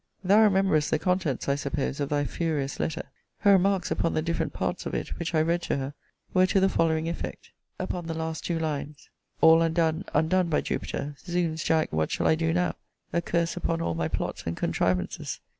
Thou rememberest the contents, I suppose, of thy furious letter.* Her remarks upon the different parts of it, which I read to her, were to the following effect: * See Letter XII. of this volume. Upon the last two lines, All undone! undone, by Jupiter! Zounds, Jack, what shall I do now? a curse upon all my plots and contrivances!